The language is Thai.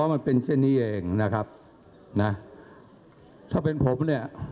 ผมก็สรุปอ๋อมันเป็นเช่นนี้เองนะครับนะถ้าเป็นผมเนี่ย